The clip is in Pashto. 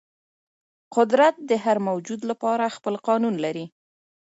قدرت د هر موجود لپاره خپل قانون لري.